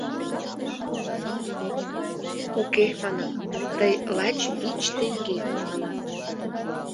— Уке, манам, тый «лач вич теҥге» манынат...